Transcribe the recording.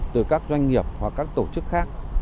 từ các doanh nghiệp hoặc các tổ chức khác